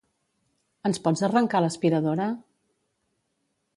Ens pots arrencar l'aspiradora?